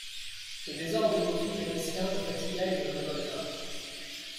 Ce désordre hypocrite et mesquin me fatigua et me révolta.